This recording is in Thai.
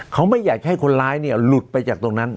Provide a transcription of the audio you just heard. เขาไม่อยากให้คนร้ายเนี่ยหลุดไปจากตรงนั้น